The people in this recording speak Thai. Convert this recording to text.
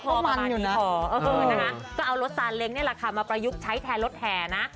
เพราะมันอยู่นะก็เอารถซานเล้งนี่แหละค่ะมาประยุกต์ใช้แทนรถแห่นะ